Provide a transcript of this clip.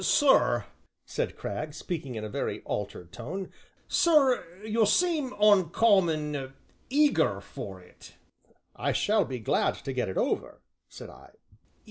"Sir," said Cragg, speaking in a very altered tone, "sir, you seem oncommon eager for it." "I shall be glad to get it over," said I.